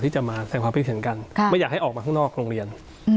ที่จะมาแสดงความคิดเห็นกันไม่อยากให้ออกมาข้างนอกโรงเรียน